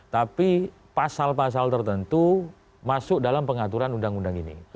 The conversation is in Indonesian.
tapi pasal pasal tertentu masuk dalam pengaturan undang undang ini